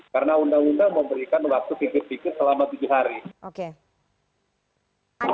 karena undang undang memberikan waktu sedikit sedikit selama tujuh hari